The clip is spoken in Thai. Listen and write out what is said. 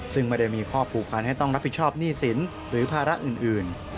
ซึ่งไม่ได้มีข้อผูกพันให้ต้องรับผิดชอบหนี้สินหรือภาระอื่น